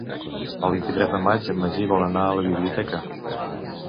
El vint-i-tres de maig en Magí vol anar a la biblioteca.